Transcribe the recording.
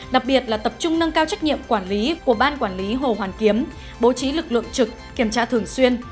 đặc biệt là tập trung nâng cao trách nhiệm quản lý của ban quản lý hồ hoàn kiếm bố trí lực lượng trực kiểm tra thường xuyên